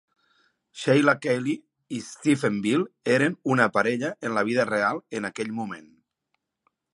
Sheila Kelley i Stephen Bill eren una parella en la vida real en aquell moment.